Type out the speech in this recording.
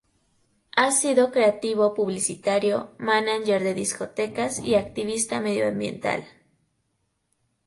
Ha sido creativo publicitario, mánager de discotecas y activista medioambiental.